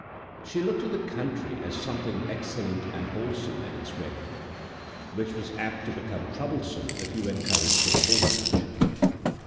She looked on the country as something excellent and wholesome in its way, which was apt to become troublesome if you encouraged it overmuch.